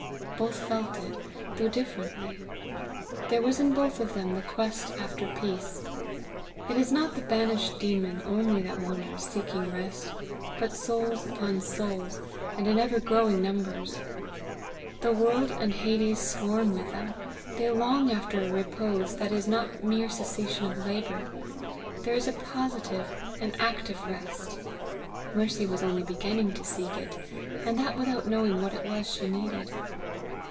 Both felt it, though differently. There was in both of them the quest after peace. It is not the banished demon only that wanders seeking rest, but souls upon souls, and in ever growing numbers. The world and Hades swarm with them. They long after a repose that is not mere cessation of labour: there is a positive, an active rest. Mercy was only beginning to seek it, and that without knowing what it was she needed.